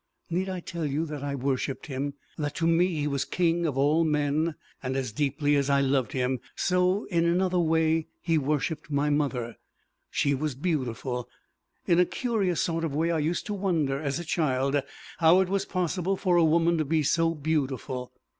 Need I tell you that I worshipped him that to me he was king of all men? And as deeply as I loved him, so, in another way, he worshipped my mother. She was beautiful. In a curious sort of way I used to wonder, as a child, how it was possible for a woman to be so beautiful.